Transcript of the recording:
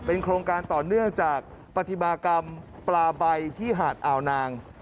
โครงการต่อเนื่องจากปฏิบากรรมปลาใบที่หาดอ่าวนาง